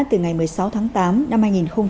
từ ngày một mươi sáu tháng tám năm hai nghìn hai mươi